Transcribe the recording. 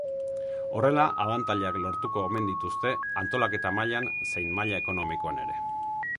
Horrela abantailak lortuko omen dituzte, antolaketa mailan zein maila ekonomikoan ere.